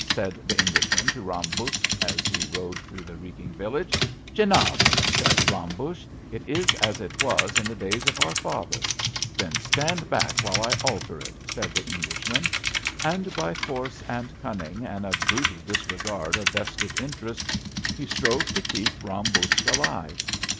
" said the Englishman to Bam Buksh as he rode through the reeking village. '^ JenabI " said Ram Buksh, it is as it was in the days of our fathers 1 '^Then stand back while I alter it," said the Englishman; and by force, and cun ning, and a brutal disregard of vested interests, he strove to keep Ram Buksh alive.